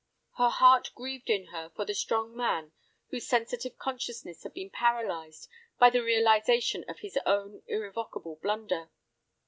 Her heart grieved in her for the strong man whose sensitive consciousness had been paralyzed by the realization of his own irrevocable blunder.